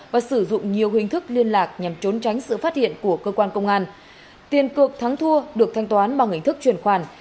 và sử dụng nhiều hình thức liên lạc nhằm trốn tránh sự phát hiện của cơ quan công an tiền cược thắng thua được thanh toán bằng hình thức chuyển khoản